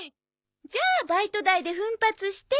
じゃあバイト代で奮発して明日は。